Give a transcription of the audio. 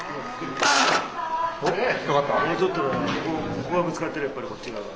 ここがぶつかってるやっぱりこっち側が。